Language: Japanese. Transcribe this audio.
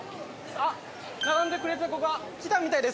あっ並んでくれた子が来たみたいです